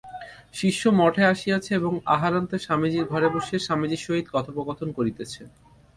শিষ্য মঠে আসিয়াছে এবং আহারান্তে স্বামীজীর ঘরে বসিয়া স্বামীজীর সহিত কথোপকথন করিতেছে।